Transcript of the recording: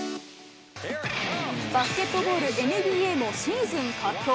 バスケットボール・ＮＢＡもシーズン佳境。